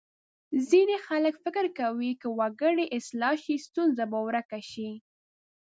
ځینې خلک فکر کوي که وګړي اصلاح شي ستونزه به ورکه شي.